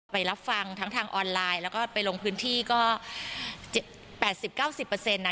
รับฟังทั้งทางออนไลน์แล้วก็ไปลงพื้นที่ก็๘๐๙๐นะ